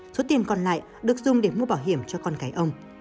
số tiền còn lại được dùng để mua bảo hiểm cho con cái ông